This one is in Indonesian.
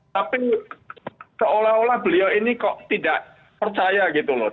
tapi seolah olah beliau ini kok tidak percaya gitu loh